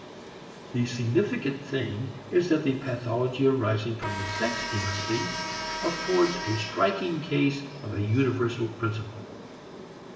The significant thing is that the pathology arising from the sex instinct affords a striking case of a universal principle.